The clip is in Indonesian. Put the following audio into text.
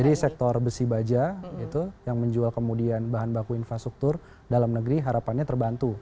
jadi sektor besi baja itu yang menjual kemudian bahan baku infrastruktur dalam negeri harapannya terbantu